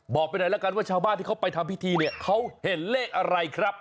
บอกไปดังละกันว่าชาวบ้านที่เขาไปทำพิธีนี้เขาเห็นเลขอะไรครับ